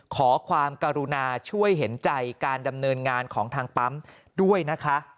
ขอความกรุณาช่วยเห็นใจการดำเนินงานของทางปั๊มด้วยนะคะ